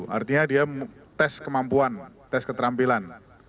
artinya dia tes kemampuan tes keterampilan